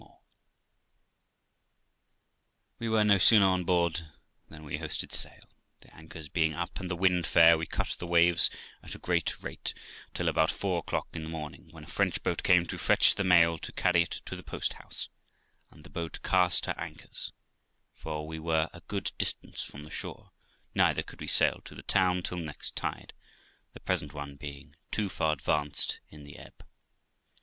4<DO THE LIFE OF ROXANA We were no sooner on board than we hoisted sail; tn anchors being up, and the wind fair, we cut the waves at a great rate, till about four o'clock in the morning, when a French boat came to fetch the mail to carry it to the post house, and the boat cast her anchors, for we were a good distance from the shore, neither could we sail to the town till next tide, the present one being too far advanced in the ebb.